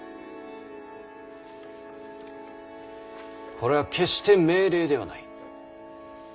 これは決して命令ではない。